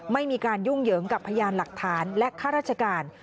ไม่มีการยุ่งเหยิงกับพยานหลักฐานและข้าราชการ